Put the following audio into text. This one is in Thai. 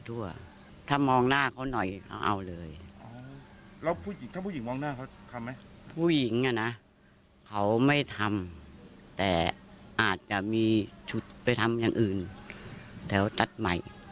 อาจจะมีชุดไปทำอย่างอื่นแถวตัดใหม่